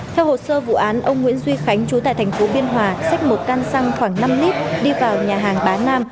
theo hồ sơ vụ án ông nguyễn duy khánh chú tại thành phố biên hòa xách một căn xăng khoảng năm lít đi vào nhà hàng bá nam